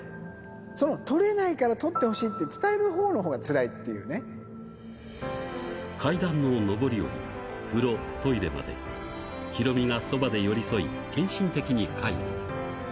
その取れないから取ってほしいと伝えるほうのほうがつらいってい階段の上り下りや風呂、トイレまで、ヒロミがそばで寄り添い、献身的に介護。